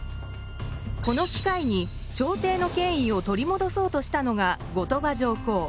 この機会に朝廷の権威を取りもどそうとしたのが後鳥羽上皇。